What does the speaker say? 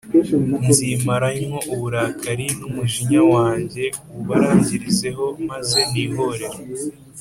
Nzimara ntyo uburakari, n’umujinya wanjye wubarangirizeho maze nihorere